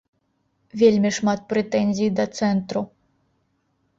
Вельмі шмат прэтэнзій да цэнтру.